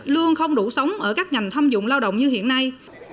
lương không đủ sống ở các ngành thâm dụng lao động như hiện nay